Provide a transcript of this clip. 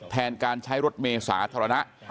แทนการใช้รถเมย์สาธารณะ